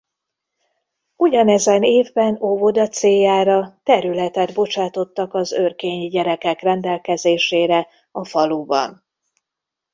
Ugyanezen évben óvoda céljára területet bocsátottak az örkényi gyerekek rendelkezésére a faluban.